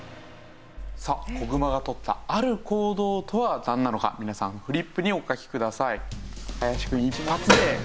さあ子グマが取ったある行動とはなんなのか皆さんフリップにお書きください。